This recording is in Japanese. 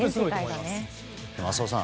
浅尾さん